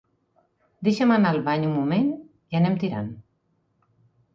Deixa'm anar al bany un moment i anem tirant.